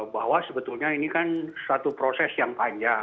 bahwa sebetulnya ini kan satu proses yang panjang